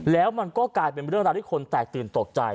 แล้วมันก็กลายเป็นเรื่องราวที่คนแตกตื่นตกใจ